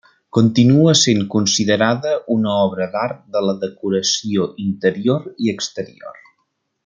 Continua sent considerada una obra d'art de la decoració interior i exterior.